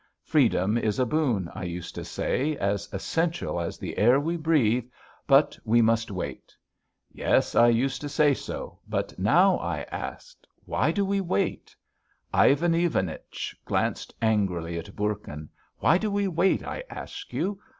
Freedom is a boon, I used to say, as essential as the air we breathe, but we must wait. Yes I used to say so, but now I ask: 'Why do we wait?'" Ivan Ivanich glanced angrily at Bourkin. "Why do we wait, I ask you?